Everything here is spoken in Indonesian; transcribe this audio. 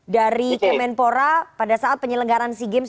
dari kemenpora pada saat penyelenggaraan sea games dua ribu dua puluh tiga